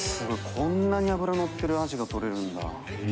こんなに脂のってるアジが取れるんだ。